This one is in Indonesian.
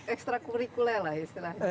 ekstra kurikula lah istilahnya